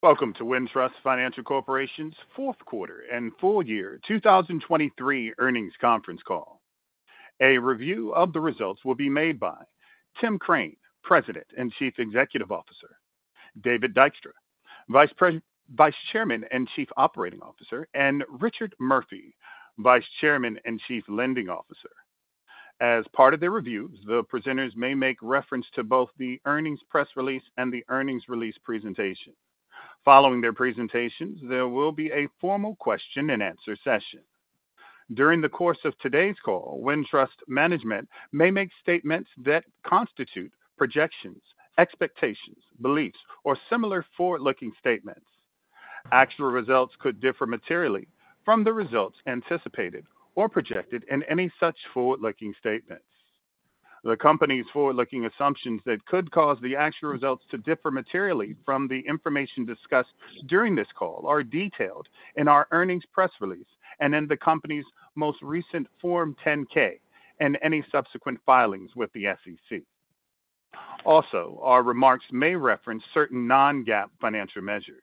Welcome to Wintrust Financial Corporation's fourth quarter and full year 2023 earnings conference call. A review of the results will be made by Tim Crane, President and Chief Executive Officer, David Dykstra, Vice Chairman and Chief Operating Officer, and Richard Murphy, Vice Chairman and Chief Lending Officer. As part of their reviews, the presenters may make reference to both the earnings press release and the earnings release presentation. Following their presentations, there will be a formal question-and-answer session. During the course of today's call, Wintrust management may make statements that constitute projections, expectations, beliefs, or similar forward-looking statements. Actual results could differ materially from the results anticipated or projected in any such forward-looking statements. The company's forward-looking assumptions that could cause the actual results to differ materially from the information discussed during this call are detailed in our earnings press release and in the company's most recent Form 10-K and any subsequent filings with the SEC. Also, our remarks may reference certain non-GAAP financial measures.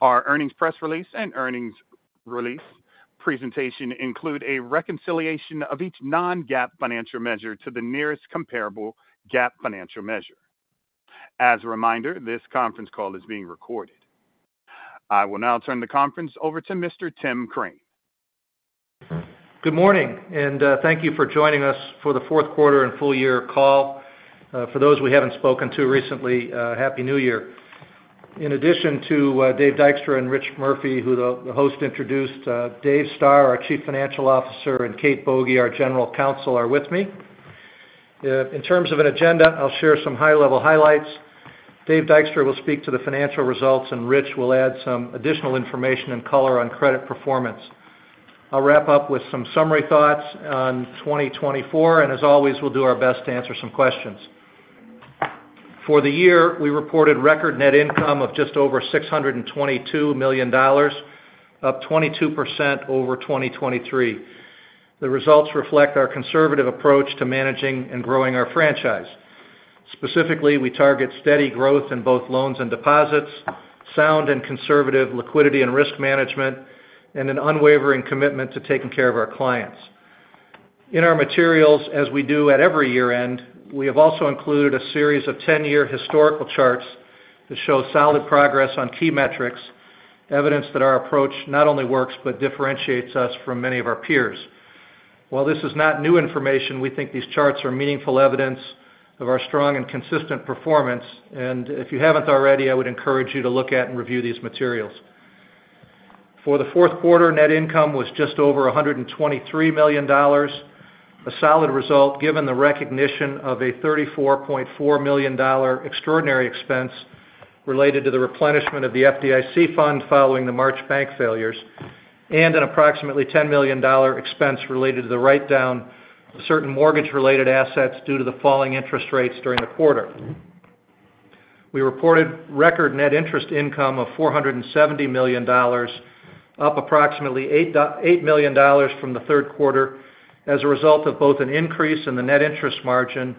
Our earnings press release and earnings release presentation include a reconciliation of each non-GAAP financial measure to the nearest comparable GAAP financial measure. As a reminder, this conference call is being recorded. I will now turn the conference over to Mr. Tim Crane. Good morning, and thank you for joining us for the fourth quarter and full year call. For those we haven't spoken to recently, Happy New Year. In addition to Dave Dykstra and Rich Murphy, who the host introduced, Dave Stoehr, our Chief Financial Officer, and Kate Boege, our General Counsel, are with me. In terms of an agenda, I'll share some high-level highlights. Dave Dykstra will speak to the financial results, and Rich will add some additional information and color on credit performance. I'll wrap up with some summary thoughts on 2024, and as always, we'll do our best to answer some questions. For the year, we reported record net income of just over $622 million, up 22% over 2023. The results reflect our conservative approach to managing and growing our franchise. Specifically, we target steady growth in both loans and deposits, sound and conservative liquidity and risk management, and an unwavering commitment to taking care of our clients. In our materials, as we do at every year-end, we have also included a series of 10-year historical charts that show solid progress on key metrics, evidence that our approach not only works but differentiates us from many of our peers. While this is not new information, we think these charts are meaningful evidence of our strong and consistent performance. If you haven't already, I would encourage you to look at and review these materials. For the fourth quarter, net income was just over $123 million, a solid result given the recognition of a $34.4 million extraordinary expense related to the replenishment of the FDIC fund following the March bank failures, and an approximately $10 million expense related to the write-down of certain mortgage-related assets due to the falling interest rates during the quarter. We reported record net interest income of $470 million, up approximately $8 million from the third quarter as a result of both an increase in the net interest margin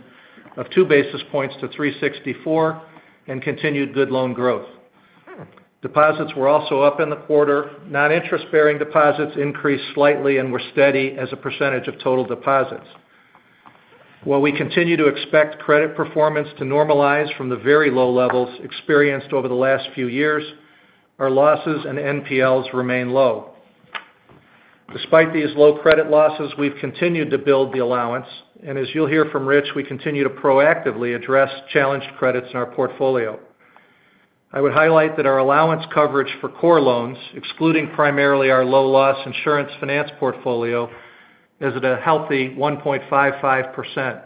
of 2 basis points to 3.64 and continued good loan growth. Deposits were also up in the quarter. Non-interest-bearing deposits increased slightly and were steady as a percentage of total deposits. While we continue to expect credit performance to normalize from the very low levels experienced over the last few years, our losses and NPLs remain low. Despite these low credit losses, we've continued to build the allowance, and as you'll hear from Rich, we continue to proactively address challenged credits in our portfolio. I would highlight that our allowance coverage for core loans, excluding primarily our low-loss insurance finance portfolio, is at a healthy 1.55%.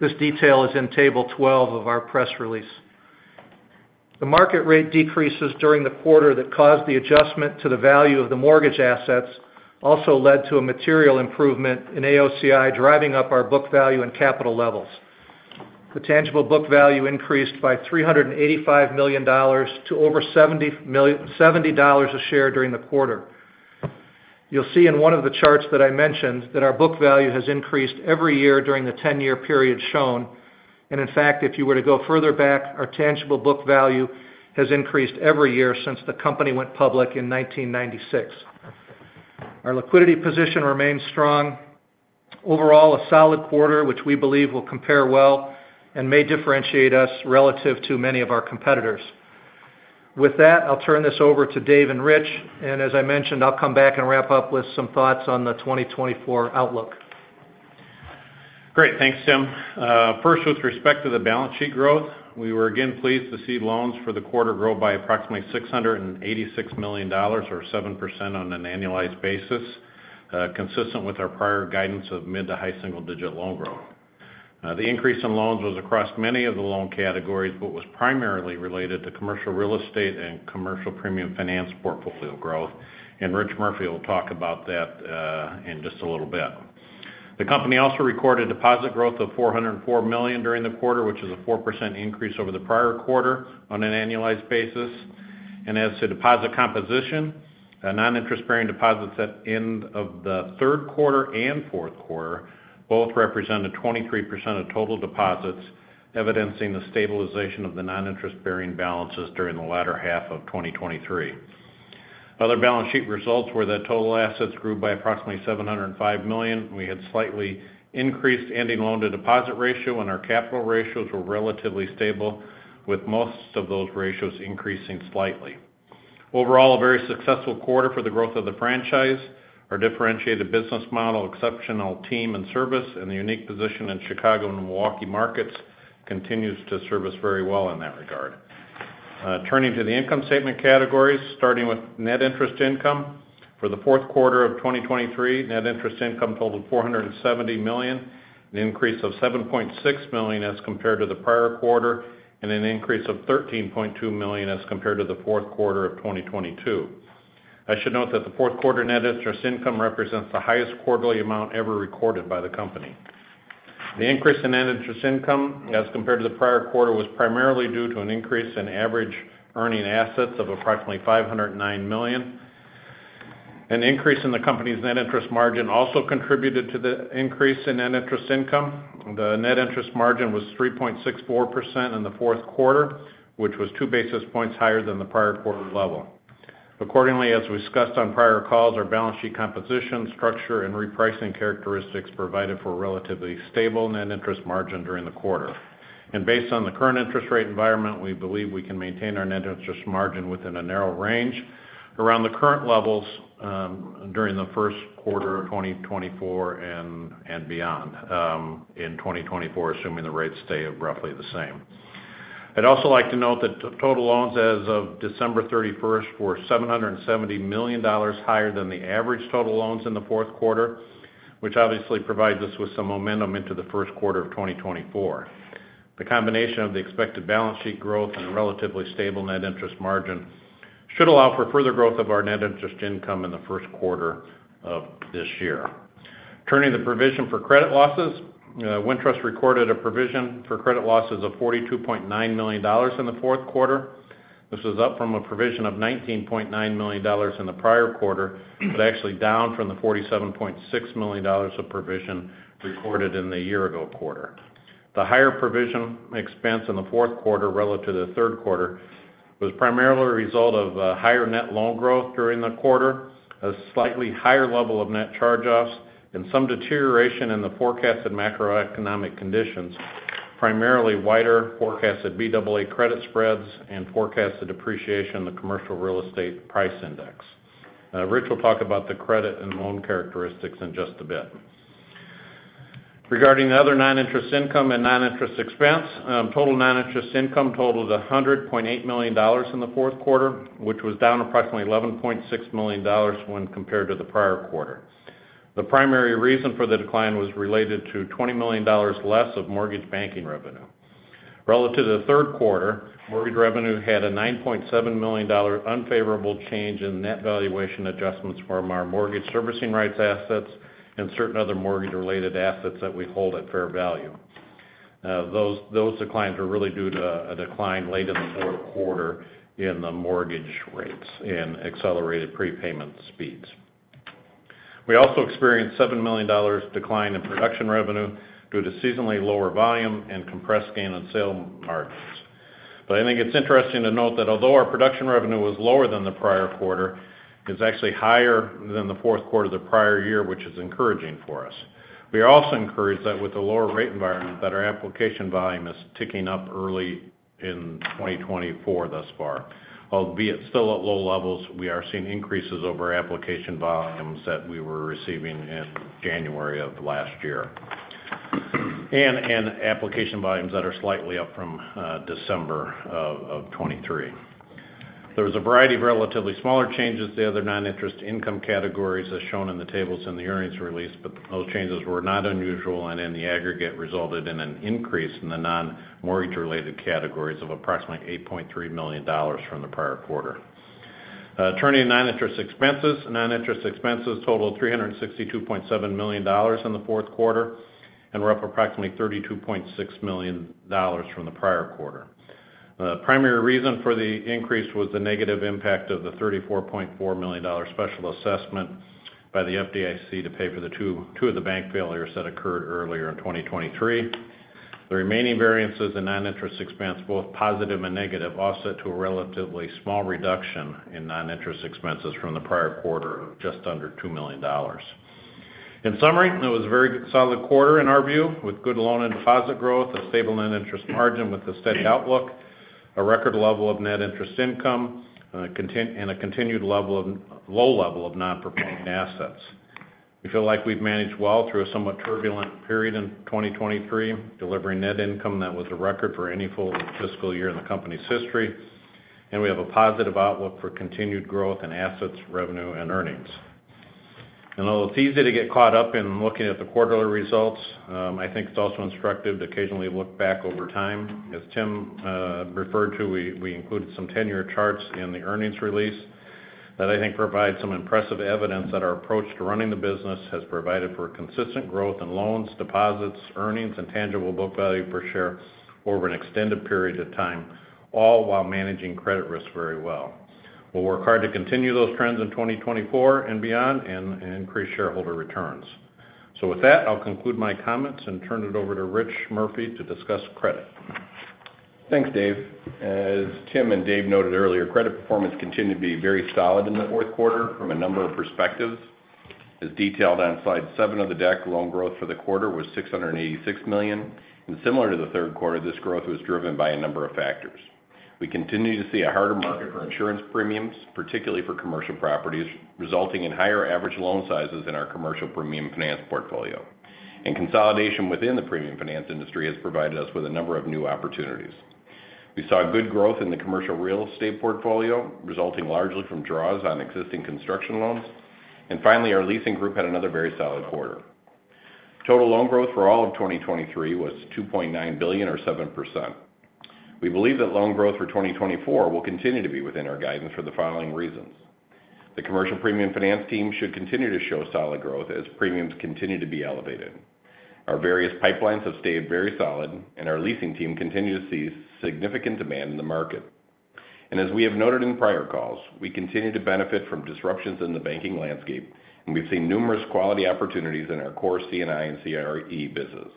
This detail is in table 12 of our press release. The market rate decreases during the quarter that caused the adjustment to the value of the mortgage assets also led to a material improvement in AOCI, driving up our book value and capital levels. The tangible book value increased by $385 million to over $70 a share during the quarter. You'll see in one of the charts that I mentioned that our book value has increased every year during the 10-year period shown. In fact, if you were to go further back, our tangible book value has increased every year since the company went public in 1996. Our liquidity position remains strong. Overall, a solid quarter, which we believe will compare well and may differentiate us relative to many of our competitors. With that, I'll turn this over to Dave and Rich, and as I mentioned, I'll come back and wrap up with some thoughts on the 2024 outlook. Great. Thanks, Tim. First, with respect to the balance sheet growth, we were again pleased to see loans for the quarter grow by approximately $686 million or 7% on an annualized basis, consistent with our prior guidance of mid to high single-digit loan growth. The increase in loans was across many of the loan categories, but was primarily related to commercial real estate and commercial premium finance portfolio growth, and Rich Murphy will talk about that, in just a little bit. The company also recorded deposit growth of $404 million during the quarter, which is a 4% increase over the prior quarter on an annualized basis. As to deposit composition, non-interest bearing deposits at the end of the third quarter and fourth quarter both represented 23% of total deposits, evidencing the stabilization of the non-interest bearing balances during the latter half of 2023. Other balance sheet results were that total assets grew by approximately $705 million. We had slightly increased ending loan to deposit ratio, and our capital ratios were relatively stable, with most of those ratios increasing slightly. Overall, a very successful quarter for the growth of the franchise. Our differentiated business model, exceptional team and service, and the unique position in Chicago and Milwaukee markets continues to serve us very well in that regard. Turning to the income statement categories, starting with net interest income. For the fourth quarter of 2023, net interest income totaled $470 million, an increase of $7.6 million as compared to the prior quarter, and an increase of $13.2 million as compared to the fourth quarter of 2022. I should note that the fourth quarter net interest income represents the highest quarterly amount ever recorded by the company. The increase in net interest income as compared to the prior quarter, was primarily due to an increase in average earning assets of approximately $509 million. An increase in the company's net interest margin also contributed to the increase in net interest income. The net interest margin was 3.64% in the fourth quarter, which was two basis points higher than the prior quarter level. Accordingly, as we discussed on prior calls, our balance sheet composition, structure, and repricing characteristics provided for a relatively stable net interest margin during the quarter. Based on the current interest rate environment, we believe we can maintain our net interest margin within a narrow range around the current levels during the first quarter of 2024 and beyond in 2024, assuming the rates stay roughly the same. I'd also like to note that total loans as of December 31 were $770 million higher than the average total loans in the fourth quarter, which obviously provides us with some momentum into the first quarter of 2024. The combination of the expected balance sheet growth and relatively stable net interest margin should allow for further growth of our net interest income in the first quarter of this year. Turning to the provision for credit losses. Wintrust recorded a provision for credit losses of $42.9 million in the fourth quarter. This is up from a provision of $19.9 million in the prior quarter, but actually down from the $47.6 million of provision recorded in the year ago quarter. The higher provision expense in the fourth quarter relative to the third quarter was primarily a result of higher net loan growth during the quarter, a slightly higher level of net charge-offs, and some deterioration in the forecasted macroeconomic conditions, primarily wider forecasted Baa credit spreads and forecasted depreciation in the commercial real estate price index. Rich will talk about the credit and loan characteristics in just a bit. Regarding the other non-interest income and non-interest expense, total non-interest income totaled $100.8 million in the fourth quarter, which was down approximately $11.6 million when compared to the prior quarter. The primary reason for the decline was related to $20 million less of mortgage banking revenue. Relative to the third quarter, mortgage revenue had a $9.7 million dollar unfavorable change in net valuation adjustments from our mortgage servicing rights assets and certain other mortgage-related assets that we hold at fair value. Those declines are really due to a decline late in the fourth quarter in the mortgage rates and accelerated prepayment speeds. We also experienced $7 million dollars decline in production revenue due to seasonally lower volume and compressed gain on sale margins. But I think it's interesting to note that although our production revenue was lower than the prior quarter, it's actually higher than the fourth quarter of the prior year, which is encouraging for us. We are also encouraged that with the lower rate environment, that our application volume is ticking up early in 2024 thus far. Albeit still at low levels, we are seeing increases over application volumes that we were receiving in January of last year, and in application volumes that are slightly up from December of 2023. There was a variety of relatively smaller changes to the other non-interest income categories, as shown in the tables in the earnings release, but those changes were not unusual, and in the aggregate, resulted in an increase in the non-mortgage related categories of approximately $8.3 million from the prior quarter. Turning to non-interest expenses. Non-interest expenses totaled $362.7 million in the fourth quarter, and were up approximately $32.6 million from the prior quarter. The primary reason for the increase was the negative impact of the $34.4 million special assessment by the FDIC to pay for the two of the bank failures that occurred earlier in 2023. The remaining variances in non-interest expense, both positive and negative, offset to a relatively small reduction in non-interest expenses from the prior quarter of just under $2 million. In summary, it was a very solid quarter in our view, with good loan and deposit growth, a stable net interest margin with a steady outlook, a record level of net interest income, and a continued low level of non-performing assets. We feel like we've managed well through a somewhat turbulent period in 2023, delivering net income that was a record for any full fiscal year in the company's history. We have a positive outlook for continued growth in assets, revenue, and earnings. Although it's easy to get caught up in looking at the quarterly results, I think it's also instructive to occasionally look back over time. As Tim referred to, we included some 10-year charts in the earnings release that I think provide some impressive evidence that our approach to running the business has provided for consistent growth in loans, deposits, earnings, and Tangible Book Value per share over an extended period of time, all while managing credit risk very well. We'll work hard to continue those trends in 2024 and beyond, and increase shareholder returns. So with that, I'll conclude my comments and turn it over to Rich Murphy to discuss credit. Thanks, Dave. As Tim and Dave noted earlier, credit performance continued to be very solid in the fourth quarter from a number of perspectives. As detailed on slide 7 of the deck, loan growth for the quarter was $686 million, and similar to the third quarter, this growth was driven by a number of factors. We continue to see a harder market for insurance premiums, particularly for commercial properties, resulting in higher average loan sizes in our commercial premium finance portfolio. And consolidation within the premium finance industry has provided us with a number of new opportunities. We saw good growth in the commercial real estate portfolio, resulting largely from draws on existing construction loans. And finally, our leasing group had another very solid quarter. Total loan growth for all of 2023 was $2.9 billion or 7%. We believe that loan growth for 2024 will continue to be within our guidance for the following reasons: The commercial premium finance team should continue to show solid growth as premiums continue to be elevated. Our various pipelines have stayed very solid, and our leasing team continues to see significant demand in the market. And as we have noted in prior calls, we continue to benefit from disruptions in the banking landscape, and we've seen numerous quality opportunities in our core C&I and CRE business.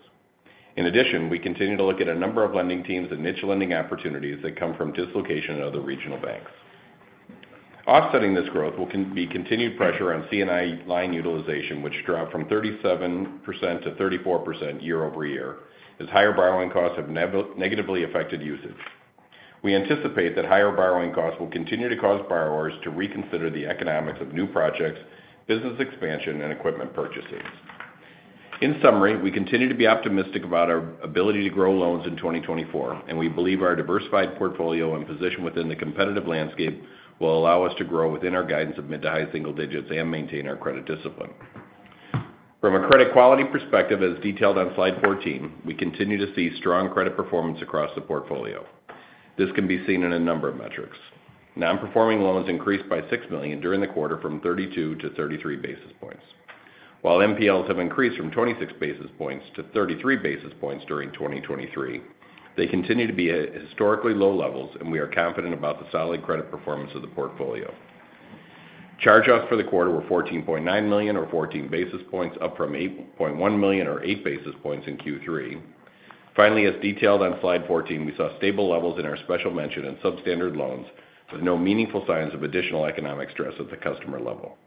In addition, we continue to look at a number of lending teams and niche lending opportunities that come from dislocation of the regional banks. Offsetting this growth will be continued pressure on C&I line utilization, which dropped from 37% to 34% year-over-year, as higher borrowing costs have negatively affected usage. We anticipate that higher borrowing costs will continue to cause borrowers to reconsider the economics of new projects, business expansion, and equipment purchases. In summary, we continue to be optimistic about our ability to grow loans in 2024, and we believe our diversified portfolio and position within the competitive landscape will allow us to grow within our guidance of mid- to high-single digits and maintain our credit discipline. From a credit quality perspective, as detailed on slide 14, we continue to see strong credit performance across the portfolio. This can be seen in a number of metrics. Non-performing loans increased by $6 million during the quarter from 32 basis points to 33 basis points. While NPLs have increased from 26 basis points to 33 basis points during 2023, they continue to be at historically low levels, and we are confident about the solid credit performance of the portfolio. Charge-offs for the quarter were $14.9 million, or 14 basis points, up from $8.1 million, or 8 basis points in Q3. Finally, as detailed on slide 14, we saw stable levels in our special mention and substandard loans, with no meaningful signs of additional economic stress at the customer level.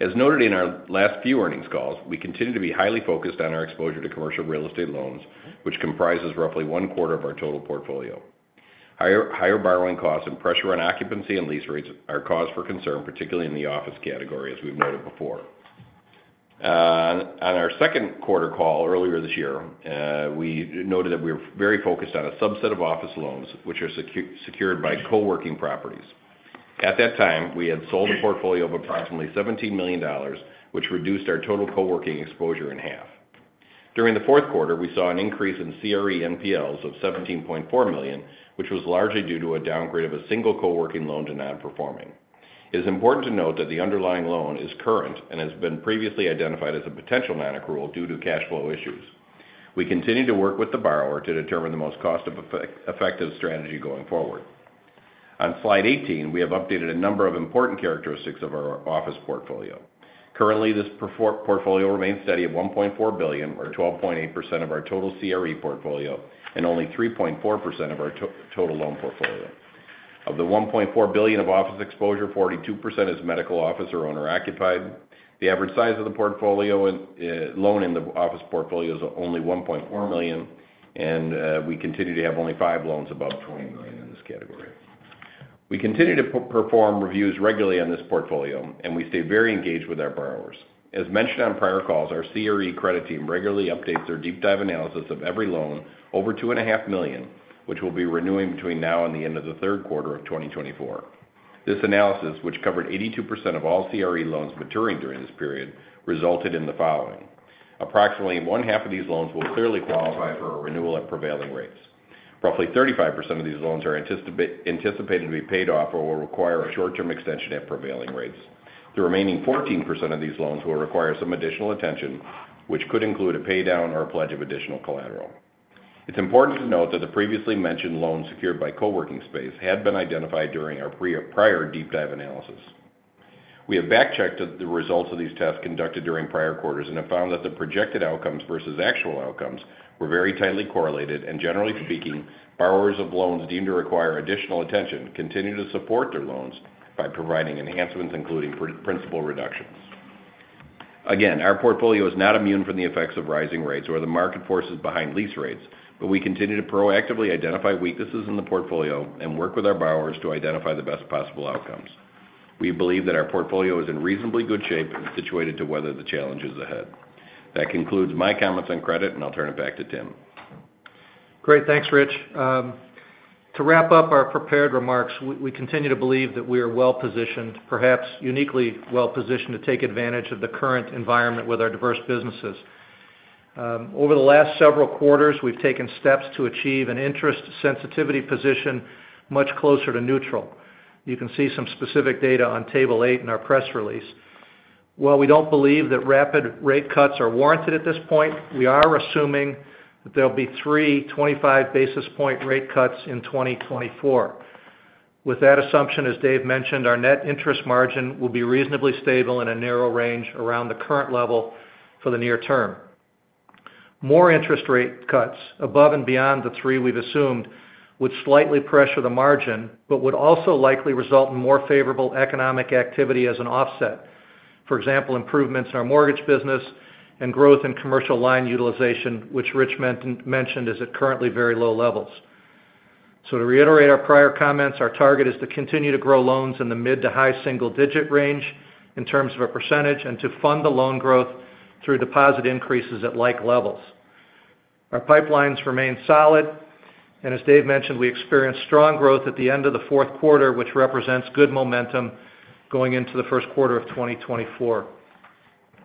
As noted in our last few earnings calls, we continue to be highly focused on our exposure to commercial real estate loans, which comprises roughly one quarter of our total portfolio. Higher borrowing costs and pressure on occupancy and lease rates are cause for concern, particularly in the office category, as we've noted before. On our second quarter call earlier this year, we noted that we were very focused on a subset of office loans, which are secured by co-working properties. At that time, we had sold a portfolio of approximately $17 million, which reduced our total co-working exposure in half. During the fourth quarter, we saw an increase in CRE NPLs of $17.4 million, which was largely due to a downgrade of a single co-working loan to non-performing. It is important to note that the underlying loan is current and has been previously identified as a potential non-accrual due to cash flow issues. We continue to work with the borrower to determine the most cost-effective strategy going forward. On slide 18, we have updated a number of important characteristics of our office portfolio. Currently, this portfolio remains steady at $1.4 billion or 12.8% of our total CRE portfolio, and only 3.4% of our total loan portfolio. Of the $1.4 billion of office exposure, 42% is medical office or owner occupied. The average size of the portfolio in, loan in the office portfolio is only $1.4 million, and, we continue to have only five loans above $20 million in this category. We continue to perform reviews regularly on this portfolio, and we stay very engaged with our borrowers. As mentioned on prior calls, our CRE credit team regularly updates their deep dive analysis of every loan over $2.5 million, which we'll be renewing between now and the end of the third quarter of 2024. This analysis, which covered 82% of all CRE loans maturing during this period, resulted in the following: Approximately one-half of these loans will clearly qualify for a renewal at prevailing rates. Roughly 35% of these loans are anticipated to be paid off or will require a short-term extension at prevailing rates. The remaining 14% of these loans will require some additional attention, which could include a paydown or a pledge of additional collateral. It's important to note that the previously mentioned loans secured by co-working space had been identified during our prior deep dive analysis. We have backchecked the results of these tests conducted during prior quarters and have found that the projected outcomes versus actual outcomes were very tightly correlated, and generally speaking, borrowers of loans deemed to require additional attention continue to support their loans by providing enhancements, including principal reductions. Again, our portfolio is not immune from the effects of rising rates or the market forces behind lease rates, but we continue to proactively identify weaknesses in the portfolio and work with our borrowers to identify the best possible outcomes. We believe that our portfolio is in reasonably good shape and situated to weather the challenges ahead. That concludes my comments on credit, and I'll turn it back to Tim. Great. Thanks, Rich. To wrap up our prepared remarks, we continue to believe that we are well-positioned, perhaps uniquely well-positioned, to take advantage of the current environment with our diverse businesses. Over the last several quarters, we've taken steps to achieve an interest sensitivity position much closer to neutral. You can see some specific data on table 8 in our press release. While we don't believe that rapid rate cuts are warranted at this point, we are assuming that there'll be three 25-basis-point rate cuts in 2024. With that assumption, as Dave mentioned, our net interest margin will be reasonably stable in a narrow range around the current level for the near term. More interest rate cuts above and beyond the three we've assumed would slightly pressure the margin, but would also likely result in more favorable economic activity as an offset. For example, improvements in our mortgage business and growth in commercial line utilization, which Rich mentioned is at currently very low levels. So to reiterate our prior comments, our target is to continue to grow loans in the mid- to high-single-digit range in terms of a percentage, and to fund the loan growth through deposit increases at like levels. Our pipelines remain solid, and as Dave mentioned, we experienced strong growth at the end of the fourth quarter, which represents good momentum going into the first quarter of 2024.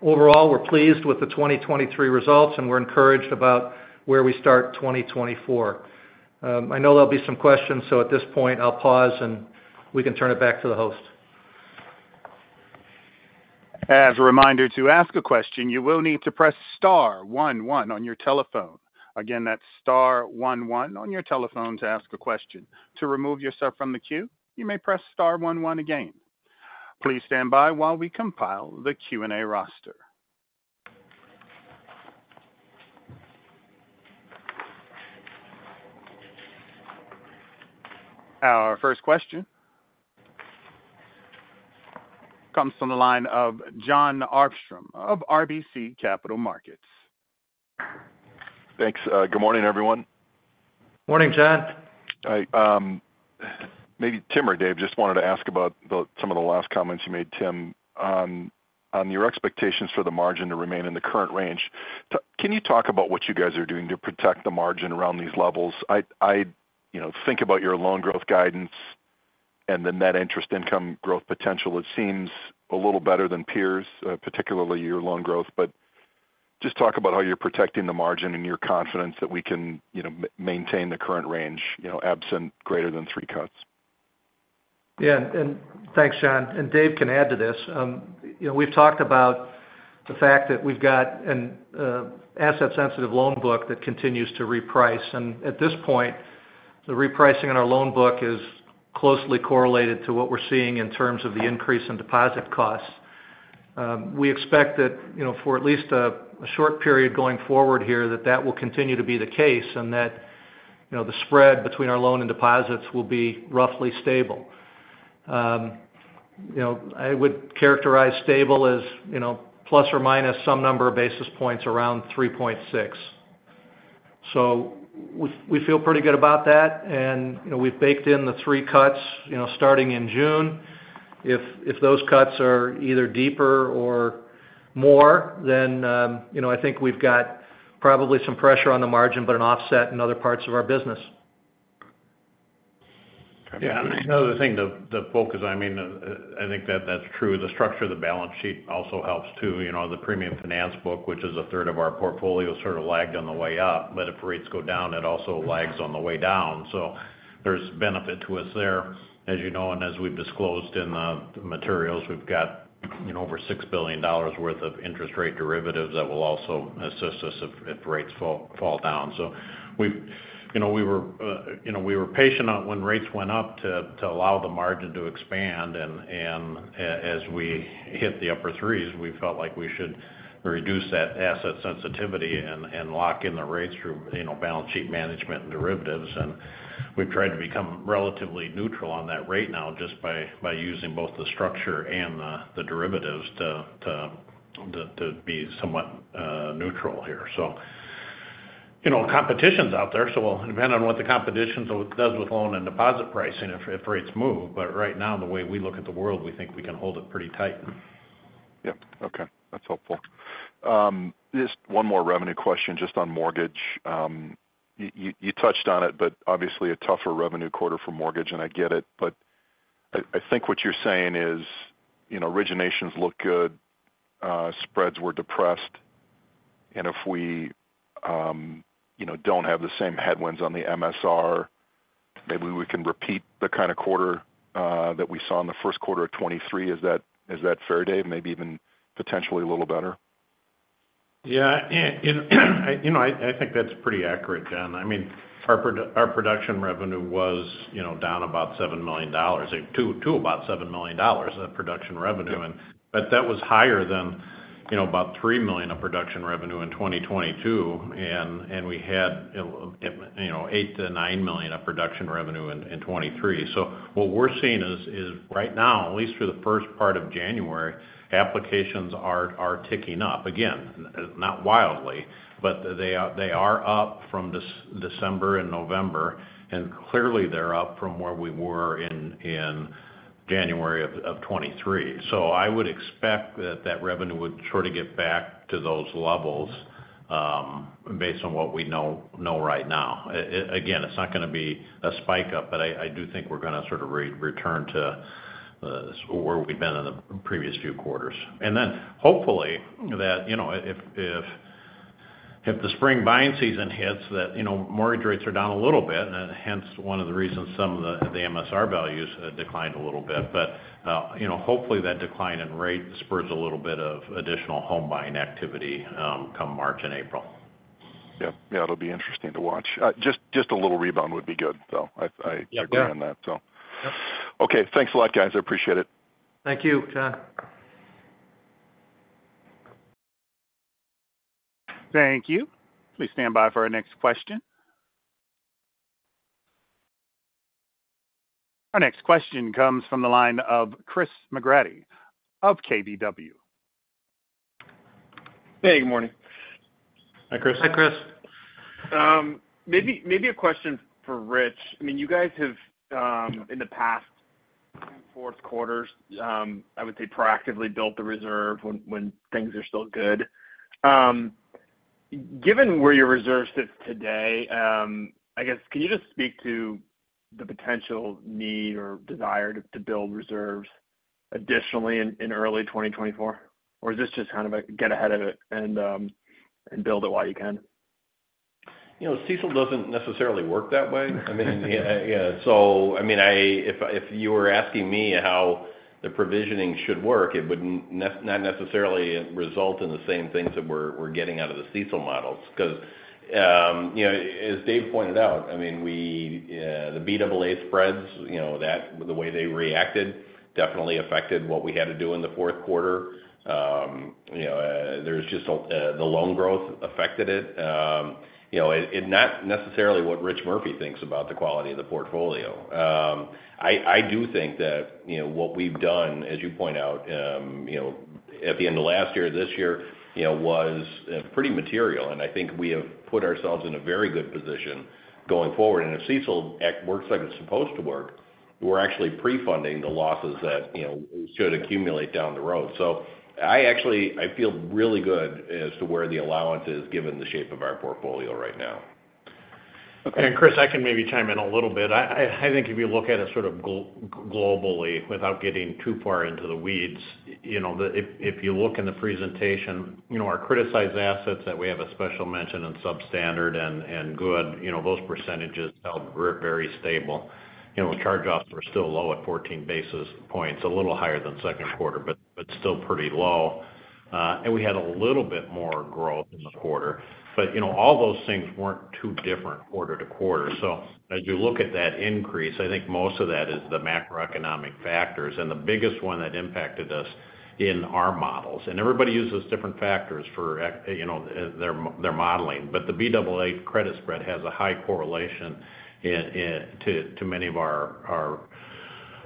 Overall, we're pleased with the 2023 results, and we're encouraged about where we start 2024. I know there'll be some questions, so at this point, I'll pause, and we can turn it back to the host. As a reminder, to ask a question, you will need to press star one one on your telephone. Again, that's star one one on your telephone to ask a question. To remove yourself from the queue, you may press star one one again. Please stand by while we compile the Q&A roster. Our first question comes from the line of John Arfstrom of RBC Capital Markets. Thanks. Good morning, everyone. Morning, John. Hi, maybe Tim or Dave, just wanted to ask about the—some of the last comments you made, Tim. On your expectations for the margin to remain in the current range, can you talk about what you guys are doing to protect the margin around these levels? You know, think about your loan growth guidance and the net interest income growth potential. It seems a little better than peers, particularly your loan growth. But just talk about how you're protecting the margin and your confidence that we can, you know, maintain the current range, you know, absent greater than three cuts. Yeah, and thanks, John, and Dave can add to this. You know, we've talked about the fact that we've got an asset-sensitive loan book that continues to reprice. And at this point, the repricing in our loan book is closely correlated to what we're seeing in terms of the increase in deposit costs. We expect that, you know, for at least a short period going forward here, that that will continue to be the case, and that, you know, the spread between our loan and deposits will be roughly stable. You know, I would characterize stable as, you know, ± some number of basis points around 3.6. So we feel pretty good about that, and, you know, we've baked in the three cuts, you know, starting in June. If those cuts are either deeper or more, then, you know, I think we've got probably some pressure on the margin, but an offset in other parts of our business. Yeah, and another thing to focus, I mean, I think that's true. The structure of the balance sheet also helps, too. You know, the premium finance book, which is a third of our portfolio, sort of lagged on the way up, but if rates go down, it also lags on the way down. So there's benefit to us there. As you know, and as we've disclosed in the materials, we've got, you know, over $6 billion worth of interest rate derivatives that will also assist us if rates fall down. So we've, you know, we were patient on when rates went up to allow the margin to expand, and as we hit the upper 3s, we felt like we should reduce that asset sensitivity and lock in the rates through, you know, balance sheet management and derivatives. And we've tried to become relatively neutral on that rate now just by using both the structure and the derivatives to be somewhat neutral here. So, you know, competition's out there, so it'll depend on what the competition does with loan and deposit pricing if rates move. But right now, the way we look at the world, we think we can hold it pretty tight. Yep. Okay, that's helpful. Just one more revenue question, just on mortgage. You touched on it, but obviously a tougher revenue quarter for mortgage, and I get it. But I think what you're saying is, you know, originations look good, spreads were depressed, and if we, you know, don't have the same headwinds on the MSR, maybe we can repeat the kind of quarter that we saw in the first quarter of 2023. Is that fair, Dave? Maybe even potentially a little better. Yeah, you know, I think that's pretty accurate, John. I mean, our production revenue was, you know, down about $7 million. To about $7 million of production revenue. Yeah. But that was higher than, you know, about $3 million of production revenue in 2022, and we had $8 million-$9 million of production revenue in 2023. So what we're seeing is right now, at least for the first part of January, applications are ticking up. Again, not wildly, but they are up from December and November, and clearly, they're up from where we were in January of 2023. So I would expect that revenue would sort of get back to those levels, based on what we know right now. Again, it's not gonna be a spike up, but I do think we're gonna sort of return to where we've been in the previous few quarters. And then, hopefully, that, you know, if the spring buying season hits, that, you know, mortgage rates are down a little bit, and hence one of the reasons some of the MSR values declined a little bit. But, you know, hopefully that decline in rate spurs a little bit of additional home buying activity, come March and April.... Yep. Yeah, it'll be interesting to watch. Just a little rebound would be good, though. I, I- Yep. Agree on that, so. Yep. Okay. Thanks a lot, guys. I appreciate it. Thank you, Todd. Thank you. Please stand by for our next question. Our next question comes from the line of Chris McGratty of KBW. Hey, good morning. Hi, Chris. Hi, Chris. Maybe, maybe a question for Rich. I mean, you guys have, in the past four quarters, I would say proactively built the reserve when, when things are still good. Given where your reserve sits today, I guess, can you just speak to the potential need or desire to, to build reserves additionally in, in early 2024? Or is this just kind of a get ahead of it and, and build it while you can? You know, CECL doesn't necessarily work that way. I mean, yeah, so I mean, if you were asking me how the provisioning should work, it would not necessarily result in the same things that we're getting out of the CECL models. Because, you know, as Dave pointed out, I mean, we, the BAA spreads, you know, that the way they reacted, definitely affected what we had to do in the fourth quarter. You know, there's just, the loan growth affected it. You know, it's not necessarily what Rich Murphy thinks about the quality of the portfolio. I do think that, you know, what we've done, as you point out, you know, at the end of last year, this year, you know, was pretty material. I think we have put ourselves in a very good position going forward. If CECL works like it's supposed to work, we're actually pre-funding the losses that, you know, should accumulate down the road. I actually, I feel really good as to where the allowance is given the shape of our portfolio right now. Okay. And Chris, I can maybe chime in a little bit. I think if you look at it sort of globally, without getting too far into the weeds, you know, if you look in the presentation, you know, our criticized assets that we have a special mention in substandard and good, you know, those percentages held very stable. You know, charge-offs were still low at 14 basis points, a little higher than second quarter, but still pretty low. And we had a little bit more growth in the quarter. But, you know, all those things weren't too different quarter-to-quarter. So as you look at that increase, I think most of that is the macroeconomic factors and the biggest one that impacted us in our models. And everybody uses different factors for, you know, their modeling. But the BAA credit spread has a high correlation in to many of our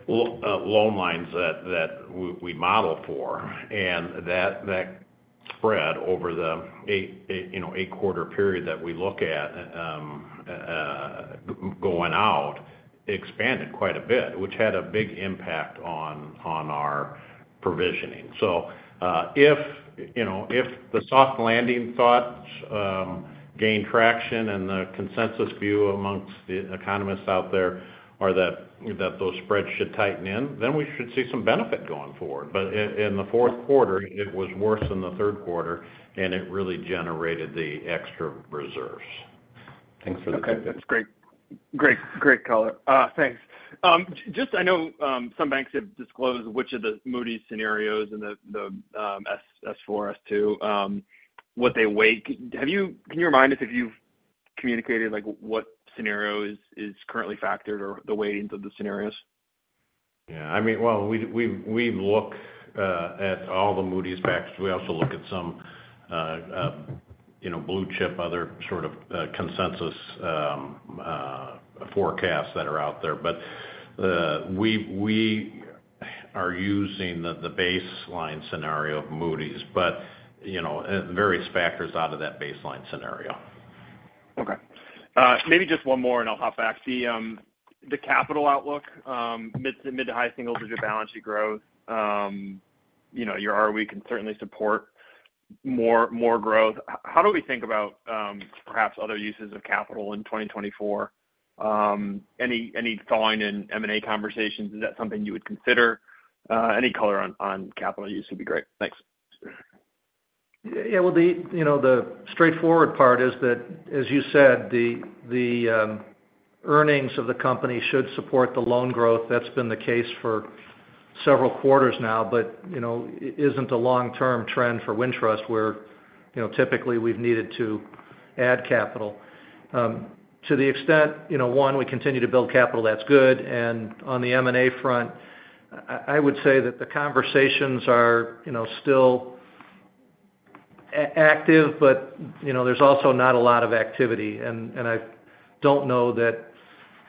loan lines that we model for. And that spread over the eight, you know, eight-quarter period that we look at going out expanded quite a bit, which had a big impact on our provisioning. So, if, you know, if the soft landing thoughts gain traction and the consensus view amongst the economists out there are that those spreads should tighten in, then we should see some benefit going forward. But in the fourth quarter, it was worse than the third quarter, and it really generated the extra reserves. Thanks for the, Okay, that's great. Great, great color. Thanks. Just, I know, some banks have disclosed which of the Moody's scenarios and the S4, S2, what they weigh. Have you - can you remind us if you've communicated, like, what scenario is currently factored or the weightings of the scenarios? Yeah, I mean well, we've looked at all the Moody's factors. We also look at some, you know, Blue Chip, other sort of, consensus forecasts that are out there. But, we are using the baseline scenario of Moody's, but, you know, and various factors out of that baseline scenario. Okay. Maybe just one more, and I'll hop back. The capital outlook, mid- to high-singles is your balance sheet growth. You know, your ROE can certainly support more growth. How do we think about perhaps other uses of capital in 2024? Any thawing in M&A conversations, is that something you would consider? Any color on capital use would be great. Thanks. Yeah, well, you know, the straightforward part is that, as you said, the earnings of the company should support the loan growth. That's been the case for several quarters now, but, you know, it isn't a long-term trend for Wintrust, where, you know, typically we've needed to add capital. To the extent, you know, one, we continue to build capital, that's good. And on the M&A front, I would say that the conversations are, you know, still active, but, you know, there's also not a lot of activity. And I don't know that,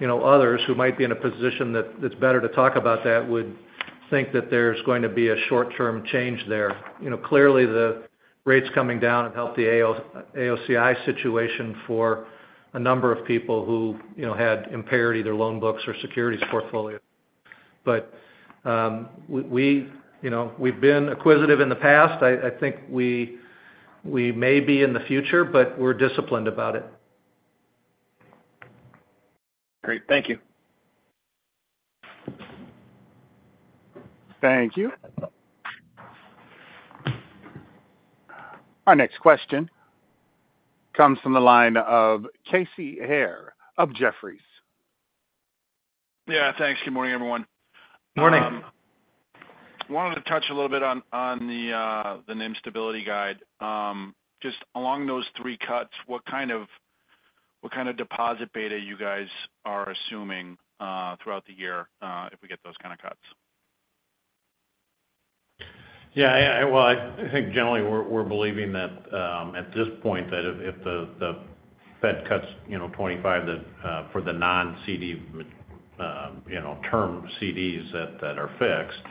you know, others who might be in a position that's better to talk about that would think that there's going to be a short-term change there. You know, clearly, the rates coming down have helped the AOCI situation for a number of people who, you know, had impaired either loan books or securities portfolio. But, we, you know, we've been acquisitive in the past. I think we may be in the future, but we're disciplined about it. Great. Thank you. Thank you. Our next question comes from the line of Casey Haire of Jefferies. Yeah, thanks. Good morning, everyone. Good morning. Wanted to touch a little bit on the NIM stability guide. Just along those three cuts, what kind of deposit beta you guys are assuming throughout the year, if we get those kind of cuts? Yeah, well, I think generally, we're believing that at this point, that if the Fed cuts, you know, 25 basis point, the for the non-CD, you know, term CDs that are fixed,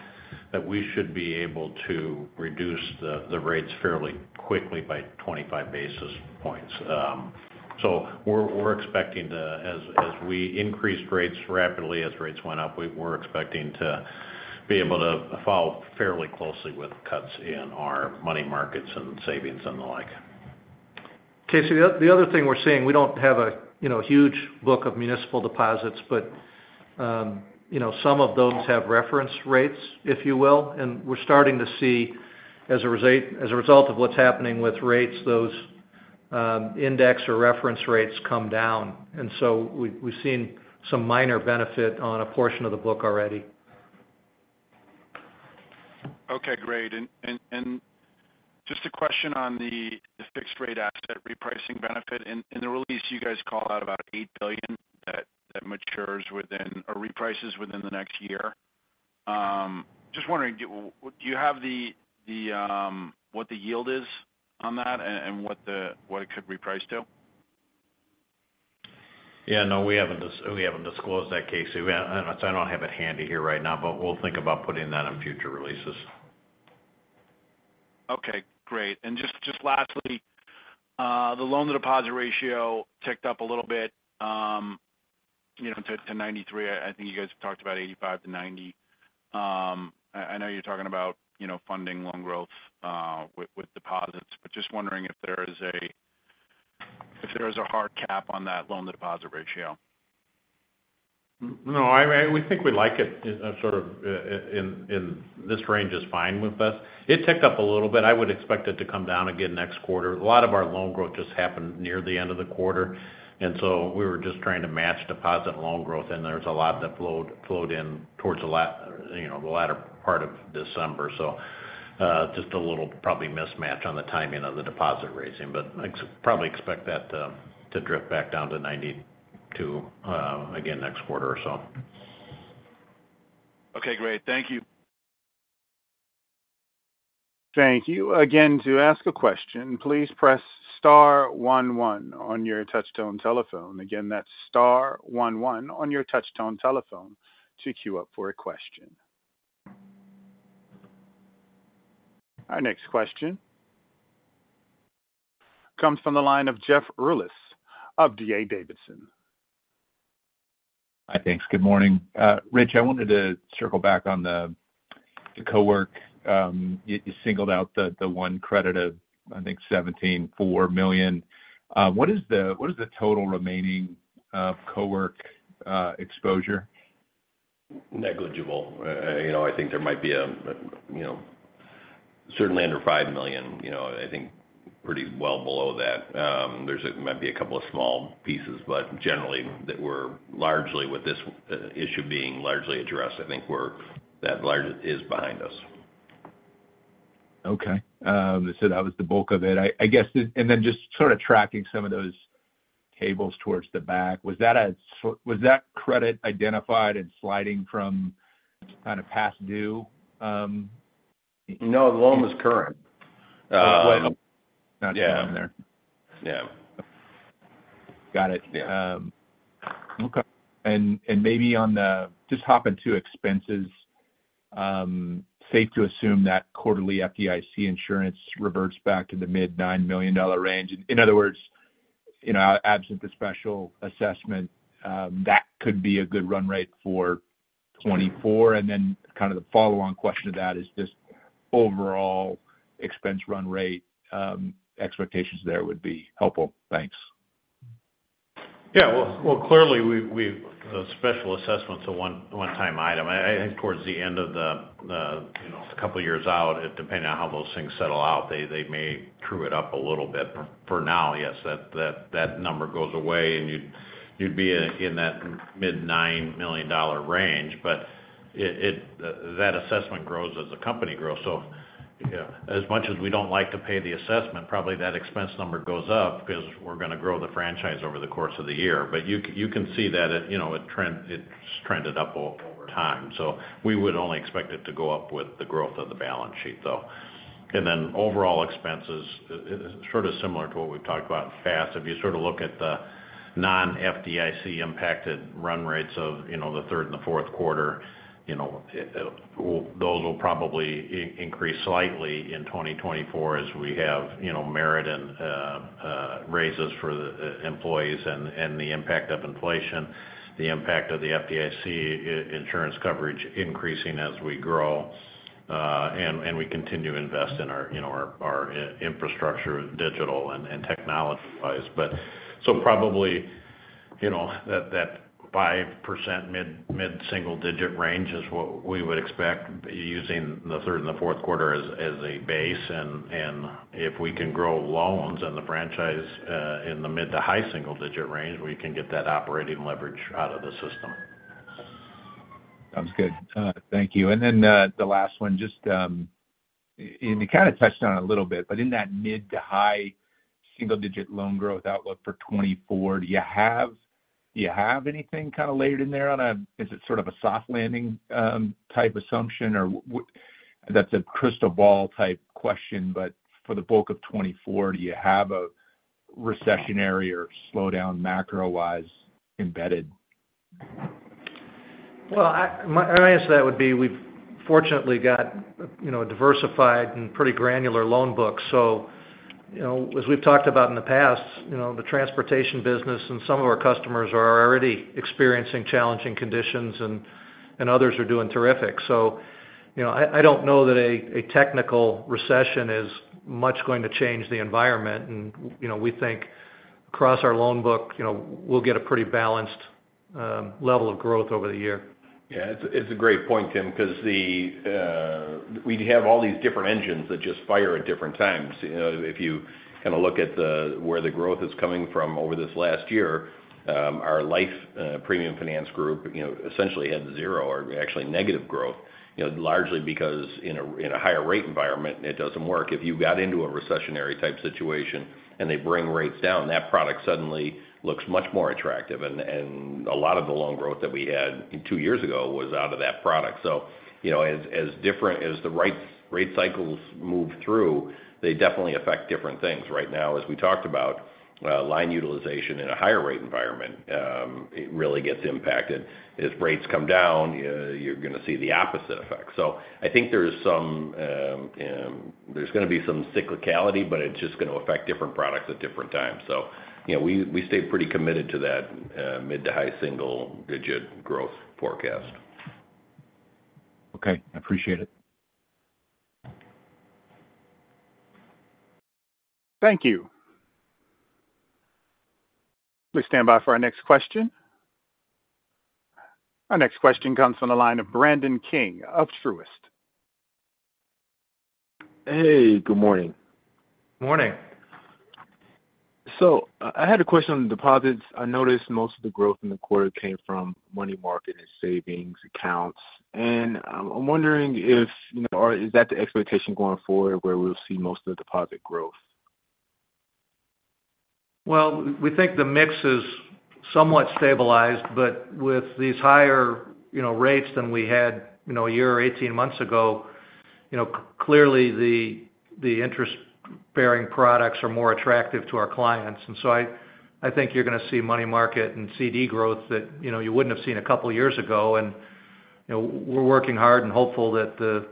that we should be able to reduce the rates fairly quickly by 25 basis points. So we're expecting to as we increased rates rapidly, as rates went up, we're expecting to be able to follow fairly closely with cuts in our money markets and savings and the like. Casey, the other thing we're seeing, we don't have a, you know, huge book of municipal deposits, but, you know, some of those have reference rates, if you will. And we're starting to see, as a result of what's happening with rates, those index or reference rates come down, and so we, we've seen some minor benefit on a portion of the book already. Okay, great. Just a question on the fixed rate asset repricing benefit. In the release, you guys call out about $8 billion that matures within or reprices within the next year. Just wondering, do you have what the yield is on that and what it could reprice to? Yeah, no, we haven't disclosed that, Casey. We—I don't have it handy here right now, but we'll think about putting that in future releases. Okay, great. And just lastly, the loan-to-deposit ratio ticked up a little bit, you know, to 93%. I think you guys talked about 85%-90%. I know you're talking about, you know, funding loan growth with deposits, but just wondering if there is a hard cap on that loan-to-deposit ratio. No, I—we think we like it as sort of in this range is fine with us. It ticked up a little bit. I would expect it to come down again next quarter. A lot of our loan growth just happened near the end of the quarter, and so we were just trying to match deposit and loan growth, and there's a lot that flowed in towards the latter part of December. So, just a little probably mismatch on the timing of the deposit raising, but I probably expect that to drift back down to 92 again next quarter or so. Okay, great. Thank you. Thank you. Again, to ask a question, please press star one one on your touchtone telephone. Again, that's star one one on your touchtone telephone to queue up for a question. Our next question comes from the line of Jeff Rulis of D.A. Davidson. Hi, thanks. Good morning. Rich, I wanted to circle back on the cowork. You singled out the one credit of, I think, $17.4 million. What is the total remaining cowork exposure? Negligible. You know, I think there might be a, you know, certainly under $5 million, you know, I think pretty well below that. There might be a couple of small pieces, but generally, that we're largely with this issue being largely addressed, I think that largely is behind us. Okay. So that was the bulk of it. I guess, and then just sort of tracking some of those tables towards the back, was that credit identified and sliding from kind of past due? No, the loan was current. there. Yeah. Got it. Yeah. Okay. And maybe on the... Just hopping to expenses, safe to assume that quarterly FDIC insurance reverts back to the mid-$9 million range? In other words, you know, absent the special assessment, that could be a good run rate for 2024. And then kind of the follow-on question to that is just overall expense run rate, expectations there would be helpful. Thanks. Yeah, well, clearly, we've a special assessment's a one-time item. I think towards the end of the, you know, a couple of years out, it depending on how those things settle out, they may true it up a little bit. For now, yes, that number goes away, and you'd be in that mid-$9 million range, but it that assessment grows as the company grows. So, yeah, as much as we don't like to pay the assessment, probably that expense number goes up because we're going to grow the franchise over the course of the year. But you can see that it, you know, it's trended up over time, so we would only expect it to go up with the growth of the balance sheet, though. And then overall expenses, sort of similar to what we've talked about in the past. If you sort of look at the non-FDIC-impacted run rates of, you know, the third and the fourth quarter, you know, those will probably increase slightly in 2024 as we have, you know, merit and raises for the employees and the impact of inflation, the impact of the FDIC insurance coverage increasing as we grow, and we continue to invest in our, you know, our infrastructure, digital and technology-wise. But so probably, you know, that 5% mid-single-digit range is what we would expect, using the third and the fourth quarter as a base. And if we can grow loans in the franchise, in the mid- to high-single-digit range, we can get that operating leverage out of the system. Sounds good. Thank you. And then, the last one, just, and you kind of touched on it a little bit, but in that mid to high single-digit loan growth outlook for 2024, do you have anything kind of layered in there? Is it sort of a soft landing type assumption? Or, that's a crystal ball type question, but for the bulk of 2024, do you have a recessionary or slowdown macro-wise embedded? Well, my answer to that would be, we've fortunately got, you know, a diversified and pretty granular loan book. So, you know, as we've talked about in the past, you know, the transportation business and some of our customers are already experiencing challenging conditions, and others are doing terrific. So, you know, I don't know that a technical recession is much going to change the environment. And, you know, we think across our loan book, you know, we'll get a pretty balanced level of growth over the year. Yeah, it's, it's a great point, Tim, because the We have all these different engines that just fire at different times. You know, if you kind of look at the, where the growth is coming from over this last year, our life premium finance group, you know, essentially had zero or actually negative growth, you know, largely because in a, in a higher rate environment, it doesn't work. If you got into a recessionary type situation and they bring rates down, that product suddenly looks much more attractive. And, and a lot of the loan growth that we had two years ago was out of that product. So, you know, as, as different as the rate, rate cycles move through, they definitely affect different things. Right now, as we talked about, line utilization in a higher rate environment, it really gets impacted. As rates come down, you're going to see the opposite effect. So I think there is some, there's going to be some cyclicality, but it's just going to affect different products at different times. So, you know, we stay pretty committed to that, mid to high single-digit growth forecast. Okay, I appreciate it. Thank you. Please stand by for our next question. Our next question comes from the line of Brandon King of Truist. Hey, good morning. Morning. So I had a question on the deposits. I noticed most of the growth in the quarter came from money market and savings accounts. I'm wondering if, you know, or is that the expectation going forward, where we'll see most of the deposit growth? Well, we think the mix is somewhat stabilized, but with these higher, you know, rates than we had, you know, a year or 18 months ago, you know, clearly, the interest-bearing products are more attractive to our clients. And so I think you're going to see money market and CD growth that, you know, you wouldn't have seen a couple of years ago. And, you know, we're working hard and hopeful that the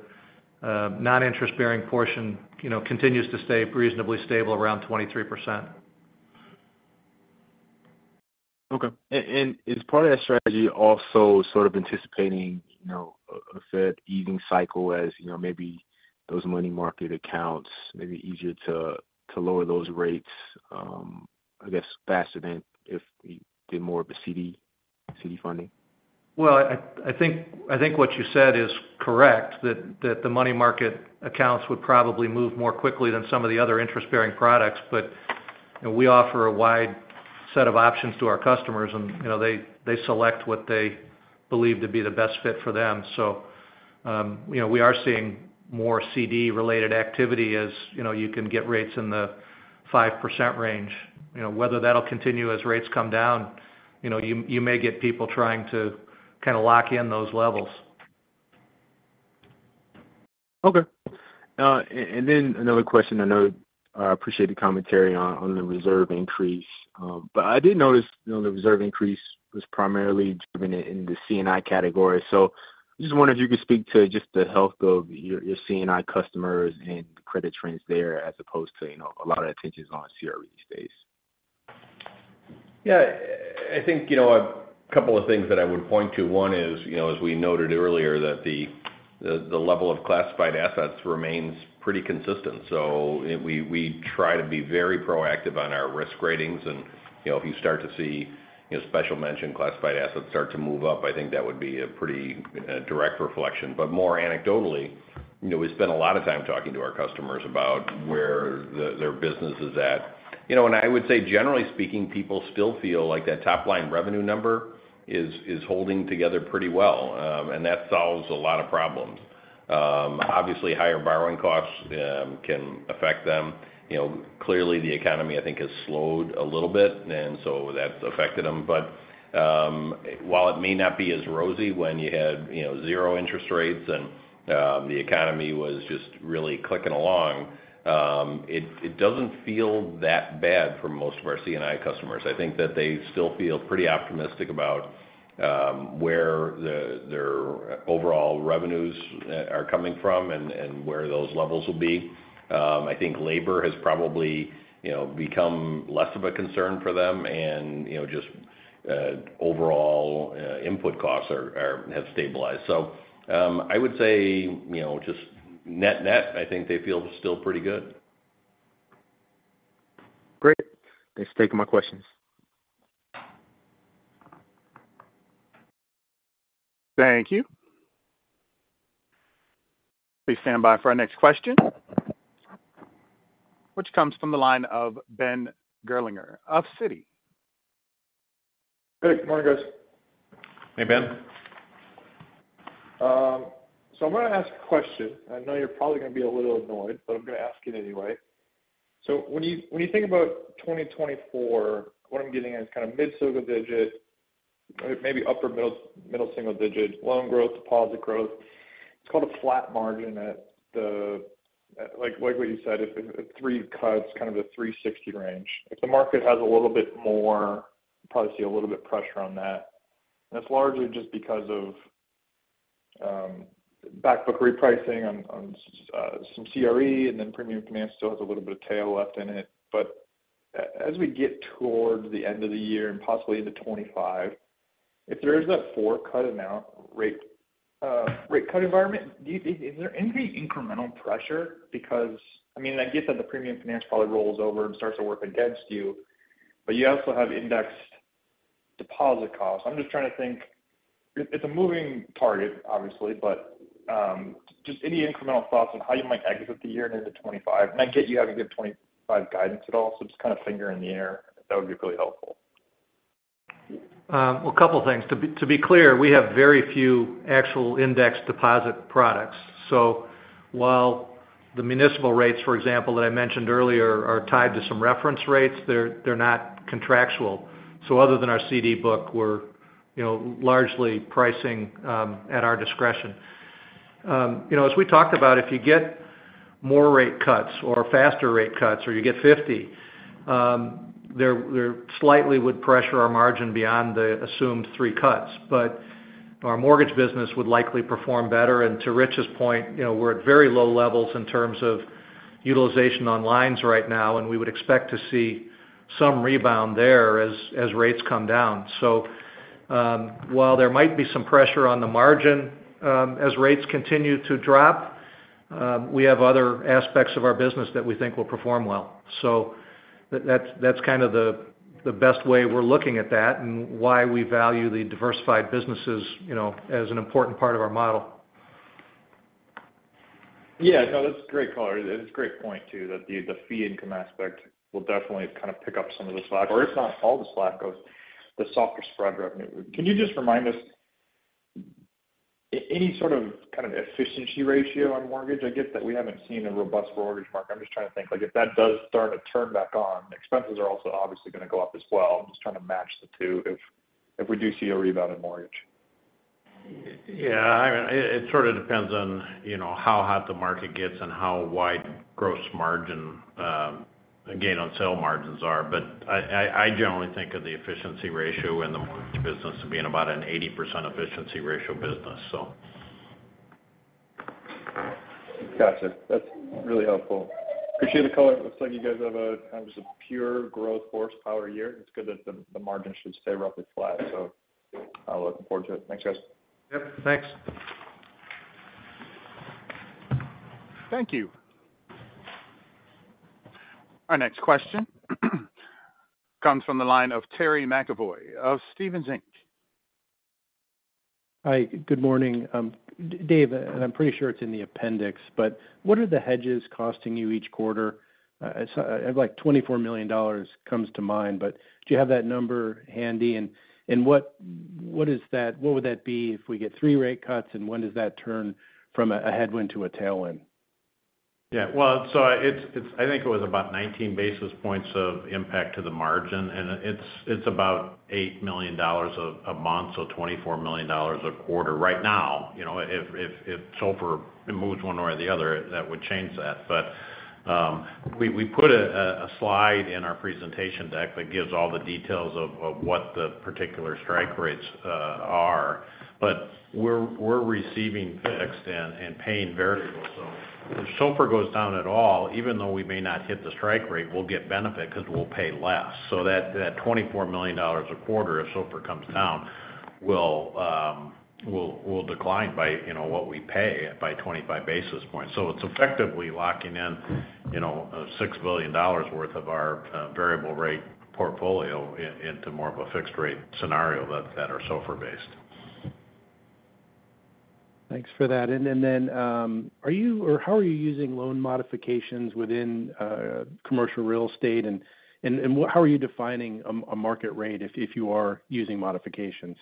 non-interest-bearing portion, you know, continues to stay reasonably stable around 23%. Okay. And is part of that strategy also sort of anticipating, you know, a Fed easing cycle as, you know, maybe those money market accounts may be easier to lower those rates, I guess, faster than if we did more of a CD funding? Well, I, I think, I think what you said is correct, that, that the money market accounts would probably move more quickly than some of the other interest-bearing products. But, you know, we offer a wide set of options to our customers, and, you know, they, they select what they believe to be the best fit for them. So, you know, we are seeing more CD-related activity as, you know, you can get rates in the 5% range. You know, whether that'll continue as rates come down, you know, you, you may get people trying to kind of lock in those levels. Okay. And then another question. I know, I appreciate the commentary on the reserve increase. But I did notice, you know, the reserve increase was primarily driven in the C&I category. So I just wondered if you could speak to just the health of your C&I customers and the credit trends there, as opposed to, you know, a lot of attention is on CRE these days. Yeah, I think, you know, a couple of things that I would point to: One is, you know, as we noted earlier, that the level of classified assets remains pretty consistent. So we try to be very proactive on our risk ratings. And, you know, if you start to see, you know, special mention classified assets start to move up, I think that would be a pretty direct reflection. But more anecdotally, you know, we spend a lot of time talking to our customers about where their business is at. You know, and I would say, generally speaking, people still feel like that top-line revenue number is holding together pretty well, and that solves a lot of problems. Obviously, higher borrowing costs can affect them. You know, clearly, the economy, I think, has slowed a little bit, and so that's affected them. But, while it may not be as rosy when you had, you know, zero interest rates and, the economy was just really clicking along, it doesn't feel that bad for most of our C&I customers. I think that they still feel pretty optimistic about where their overall revenues are coming from and where those levels will be. I think labor has probably, you know, become less of a concern for them and, you know, just overall input costs have stabilized. So, I would say, you know, just net-net, I think they feel still pretty good. Great. Thanks for taking my questions. Thank you.... Please stand by for our next question, which comes from the line of Ben Gerlinger of Citi. Hey, good morning, guys. Hey, Ben. So I'm going to ask a question. I know you're probably going to be a little annoyed, but I'm going to ask it anyway. So when you, when you think about 2024, what I'm getting at is kind of mid-single digit, maybe upper middle, middle single digit loan growth, deposit growth. It's called a flat margin at the—like, like what you said, if three cuts, kind of a 360 range. If the market has a little bit more, probably see a little bit pressure on that. That's largely just because of, back book repricing on, on, some CRE, and then premium finance still has a little bit of tail left in it. But as we get towards the end of the year and possibly into 25, if there is that four cut amount rate, rate cut environment, is there any incremental pressure? Because, I mean, I get that the premium finance probably rolls over and starts to work against you, but you also have indexed deposit costs. I'm just trying to think. It, it's a moving target, obviously, but, just any incremental thoughts on how you might exit the year into 2025? And I get you haven't given 2025 guidance at all, so just kind of finger in the air. That would be really helpful. Well, a couple of things. To be, to be clear, we have very few actual index deposit products. So while the municipal rates, for example, that I mentioned earlier, are tied to some reference rates, they're, they're not contractual. So other than our CD book, we're, you know, largely pricing at our discretion. You know, as we talked about, if you get more rate cuts or faster rate cuts or you get 50, that would slightly pressure our margin beyond the assumed three cuts. But our mortgage business would likely perform better. And to Rich's point, you know, we're at very low levels in terms of utilization on lines right now, and we would expect to see some rebound there as rates come down. So, while there might be some pressure on the margin, as rates continue to drop, we have other aspects of our business that we think will perform well. So that's kind of the best way we're looking at that and why we value the diversified businesses, you know, as an important part of our model. Yeah. No, that's a great color. It's a great point, too, that the fee income aspect will definitely kind of pick up some of the slack, or if not all the slack goes, the softer spread revenue. Can you just remind us any sort of kind of efficiency ratio on mortgage? I get that we haven't seen a robust mortgage market. I'm just trying to think, like, if that does start to turn back on, expenses are also obviously going to go up as well. I'm just trying to match the two, if we do see a rebound in mortgage. Yeah, I mean, it sort of depends on, you know, how hot the market gets and how wide gross margin, gain on sale margins are. But I generally think of the efficiency ratio in the mortgage business to be in about an 80% efficiency ratio business, so. Gotcha. That's really helpful. Appreciate the color. It looks like you guys have a kind of just a pure growth horsepower year. It's good that the margin should stay roughly flat, so I'm looking forward to it. Thanks, guys. Yep, thanks. Thank you. Our next question comes from the line of Terry McEvoy of Stephens Inc. Hi, good morning. Dave, and I'm pretty sure it's in the appendix, but what are the hedges costing you each quarter? So like $24 million comes to mind, but do you have that number handy? And what is that - what would that be if we get three rate cuts, and when does that turn from a headwind to a tailwind? Yeah, well, so it's I think it was about 19 basis points of impact to the margin, and it's about $8 million a month, so $24 million a quarter right now. You know, if SOFR moves one way or the other, that would change that. But we put a slide in our presentation deck that gives all the details of what the particular strike rates are. But we're receiving fixed and paying variable. So if SOFR goes down at all, even though we may not hit the strike rate, we'll get benefit because we'll pay less. So that $24 million a quarter, if SOFR comes down, will decline by, you know, what we pay by 25 basis points. So it's effectively locking in, you know, $6 billion worth of our variable rate portfolio into more of a fixed rate scenario that are SOFR based. Thanks for that. And then, are you or how are you using loan modifications within commercial real estate? And what - how are you defining a market rate if you are using modifications?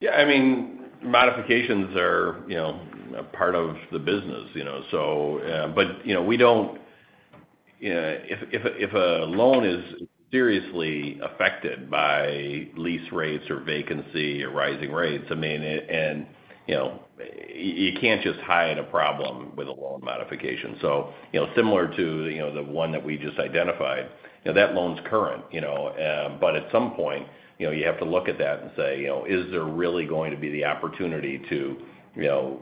Yeah, I mean, modifications are, you know, a part of the business, you know, so. But, you know, we don't, if a loan is seriously affected by lease rates or vacancy or rising rates, I mean, and, you know, you can't just hide a problem with a loan modification. So, you know, similar to, you know, the one that we just identified, you know, that loan's current, you know, but at some point, you know, you have to look at that and say, you know: Is there really going to be the opportunity to, you know,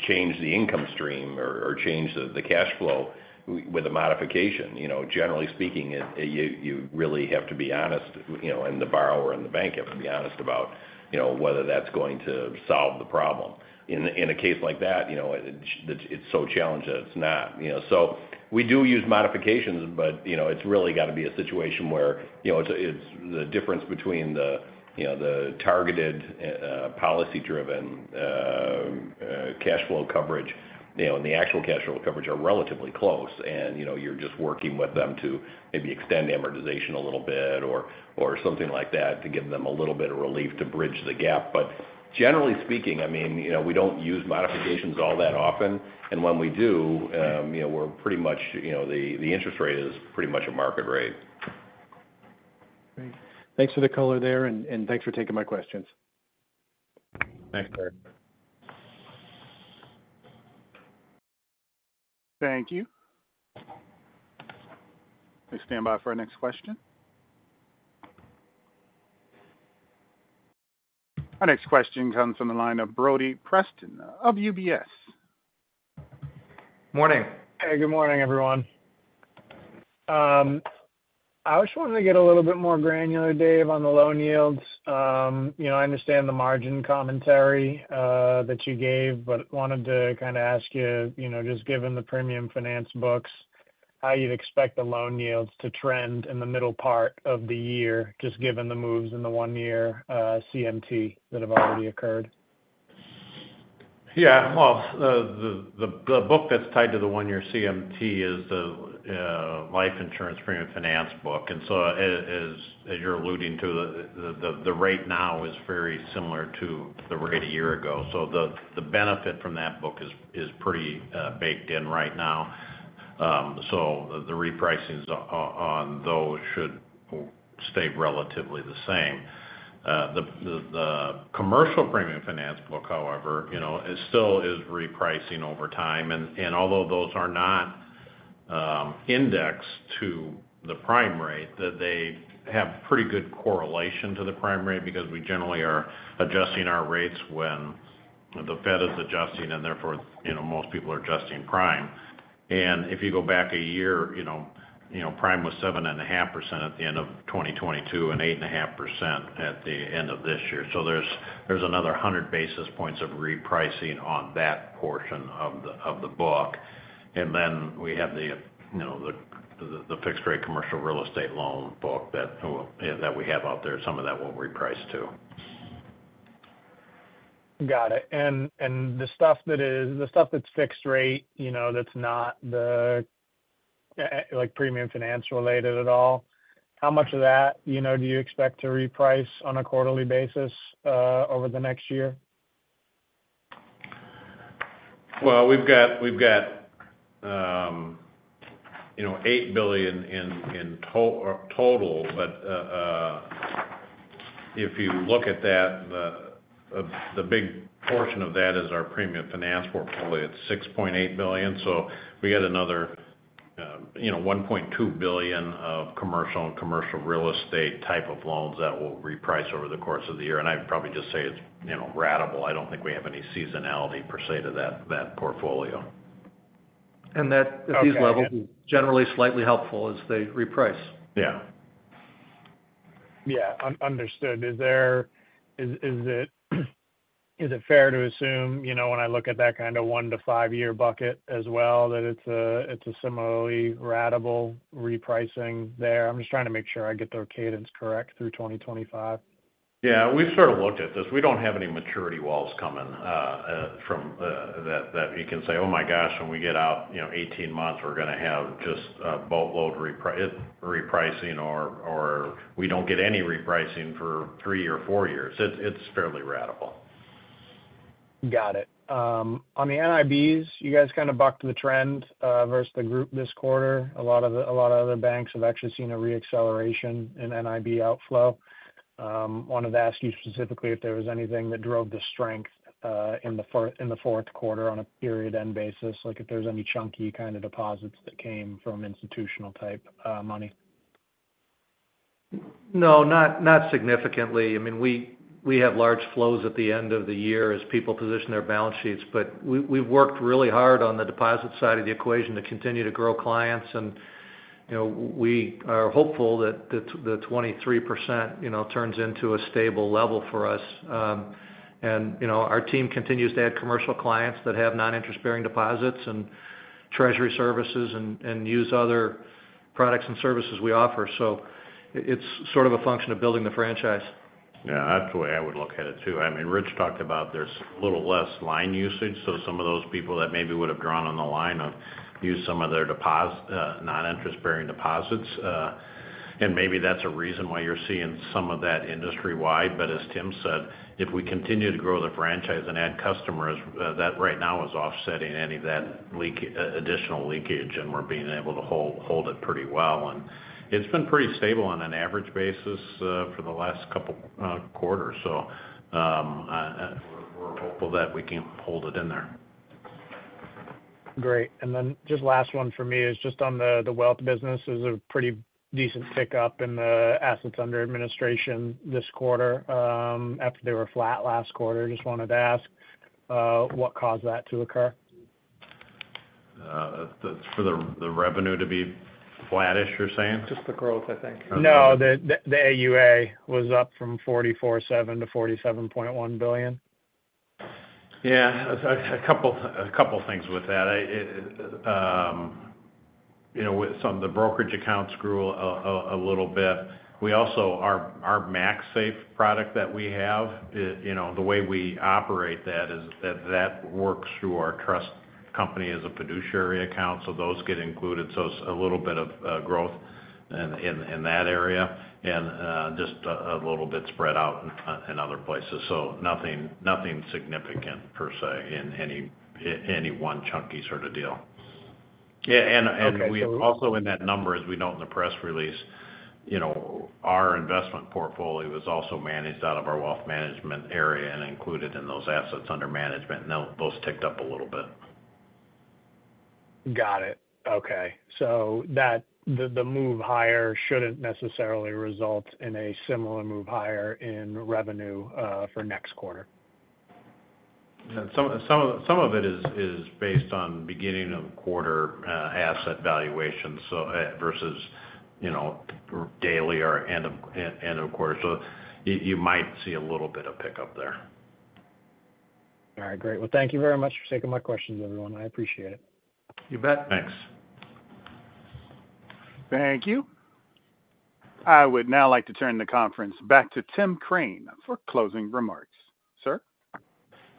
change the income stream or, or change the, the cash flow with a modification. You know, generally speaking, you really have to be honest, you know, and the borrower and the bank have to be honest about, you know, whether that's going to solve the problem. In a case like that, you know, it's so challenging, it's not, you know. So we do use modifications, but, you know, it's really got to be a situation where, you know, it's the difference between the, you know, the targeted policy-driven cash flow coverage, you know, and the actual cash flow coverage are relatively close. And, you know, you're just working with them to maybe extend the amortization a little bit or something like that, to give them a little bit of relief to bridge the gap. But generally speaking, I mean, you know, we don't use modifications all that often, and when we do, you know, we're pretty much, you know, the interest rate is pretty much a market rate. Great. Thanks for the color there, and thanks for taking my questions. Thanks, Tim. Thank you. Please stand by for our next question. Our next question comes from the line of Brody Preston of UBS. Morning. Hey, good morning, everyone. I just wanted to get a little bit more granular, Dave, on the loan yields. You know, I understand the margin commentary that you gave, but wanted to kind of ask you, you know, just given the premium finance books, how you'd expect the loan yields to trend in the middle part of the year, just given the moves in the one-year CMT that have already occurred? Yeah. Well, the book that's tied to the one-year CMT is the life insurance premium finance book. And so as you're alluding to, the rate now is very similar to the rate a year ago. So the benefit from that book is pretty baked in right now. So the repricings on those should stay relatively the same. The commercial premium finance book, however, you know, is still repricing over time. And although those are not indexed to the prime rate, they have pretty good correlation to the prime rate, because we generally are adjusting our rates when the Fed is adjusting, and therefore, you know, most people are adjusting prime. And if you go back a year, you know, prime was 7.5% at the end of 2022, and 8.5% at the end of this year. So there's another 100 basis points of repricing on that portion of the book. And then we have the, you know, the fixed-rate commercial real estate loan book that we have out there, some of that will reprice, too. Got it. And the stuff that is—the stuff that's fixed rate, you know, that's not the, like, premium finance related at all, how much of that, you know, do you expect to reprice on a quarterly basis, over the next year? Well, we've got eight billion in total. But if you look at that, the big portion of that is our premium finance portfolio. It's $6.8 billion. So we got another, you know, $1.2 billion of commercial and commercial real estate type of loans that will reprice over the course of the year. And I'd probably just say it's, you know, ratable. I don't think we have any seasonality per se, to that portfolio. And that- Okay. At these levels, is generally slightly helpful as they reprice. Yeah. Yeah, understood. Is it fair to assume, you know, when I look at that kind of 1-5-year bucket as well, that it's a similarly ratable repricing there? I'm just trying to make sure I get the cadence correct through 2025. Yeah, we've sort of looked at this. We don't have any maturity walls coming from that that you can say, "Oh, my gosh, when we get out, you know, 18 months, we're going to have just a boatload repricing or, or we don't get any repricing for three or four years." It's fairly ratable. Got it. On the NIBs, you guys kind of bucked the trend versus the group this quarter. A lot of other banks have actually seen a re-acceleration in NIB outflow. Wanted to ask you specifically if there was anything that drove the strength in the fourth quarter on a period-end basis, like if there's any chunky kind of deposits that came from institutional type money? No, not significantly. I mean, we have large flows at the end of the year as people position their balance sheets. But we've worked really hard on the deposit side of the equation to continue to grow clients. And, you know, we are hopeful that the 23%, you know, turns into a stable level for us. And, you know, our team continues to add commercial clients that have non-interest-bearing deposits and treasury services and use other products and services we offer. So it's sort of a function of building the franchise. Yeah, that's the way I would look at it, too. I mean, Rich talked about there's a little less line usage, so some of those people that maybe would have drawn on the line have used some of their deposit non-interest-bearing deposits. And maybe that's a reason why you're seeing some of that industry-wide. But as Tim said, if we continue to grow the franchise and add customers, that right now is offsetting any of that leakage additional leakage, and we're being able to hold it pretty well. And it's been pretty stable on an average basis for the last couple quarters. So, we're hopeful that we can hold it in there. ... Great. And then just last one for me is just on the wealth business. There's a pretty decent pickup in the assets under administration this quarter, after they were flat last quarter. Just wanted to ask what caused that to occur? That's for the revenue to be flattish, you're saying? Just the growth, I think. Okay. No, the AUA was up from $44.7 billion to $47.1 billion. Yeah, a couple things with that. I, you know, with some of the brokerage accounts grew a little bit. We also, our MaxSafe product that we have, it, you know, the way we operate that is that works through our trust company as a fiduciary account, so those get included. So it's a little bit of growth in that area, and just a little bit spread out in other places. So nothing significant per se, in any one chunky sort of deal. Yeah, and we have also in that number, as we note in the press release, you know, our investment portfolio is also managed out of our wealth management area and included in those assets under management, and those ticked up a little bit. Got it. Okay. So that the move higher shouldn't necessarily result in a similar move higher in revenue for next quarter? Yeah. Some of it is based on beginning of quarter asset valuation, so versus, you know, daily or end of quarter. So you might see a little bit of pickup there. All right, great. Well, thank you very much for taking my questions, everyone. I appreciate it. You bet. Thanks. Thank you. I would now like to turn the conference back to Tim Crane for closing remarks. Sir?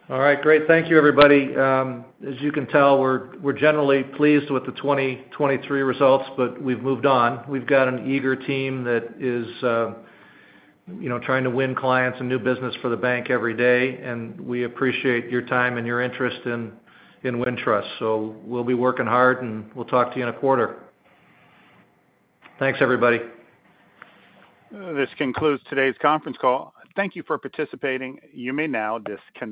All right, great. Thank you, everybody. As you can tell, we're generally pleased with the 2023 results, but we've moved on. We've got an eager team that is, you know, trying to win clients and new business for the bank every day, and we appreciate your time and your interest in Wintrust. So we'll be working hard, and we'll talk to you in a quarter. Thanks, everybody. This concludes today's conference call. Thank you for participating. You may now disconnect.